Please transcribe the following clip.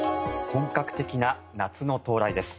本格的な夏の到来です。